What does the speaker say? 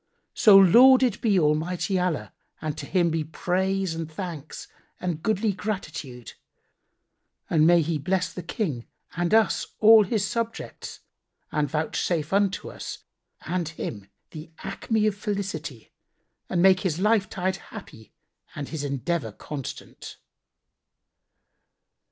So lauded be Almighty Allah and to Him be praise and thanks and goodly gratitude! And may He bless the King and us all his subjects and vouchsafe unto us and him the acme of felicity and make his life tide happy and his endeavour constant!"